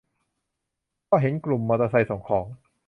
ก็เห็นกลุ่มมอเตอร์ไซค์ส่งของ